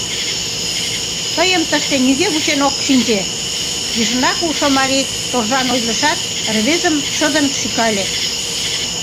— Тыйым тыште нигӧ вучен ок шинче! — лишнырак улшо марий торжан ойлышат, рвезым шыдын шӱкале.